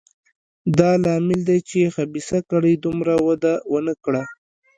دا لامل دی چې خبیثه کړۍ دومره وده ونه کړه.